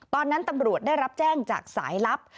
ตอนนั้นตำรวจได้รับแจ้งจากสายลับ